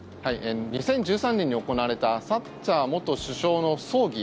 ２０１３年に行われたサッチャー元首相の葬儀